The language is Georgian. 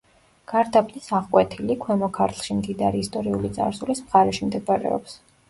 გარდაბნის აღკვეთილი, ქვემო ქართლში მდიდარი ისტორიული წარსულის მხარეში მდებარეობს.